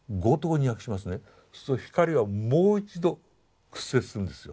そうすると光はもう一度屈折するんですよ。